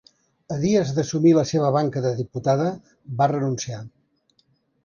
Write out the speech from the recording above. A dies d'assumir la seva banca de diputada va renunciar.